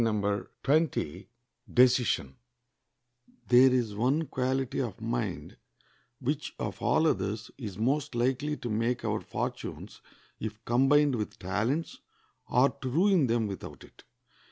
] There is one quality of mind which of all others is most likely to make our fortunes if combined with talents, or to ruin them without it.